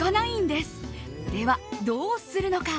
では、どうするのか？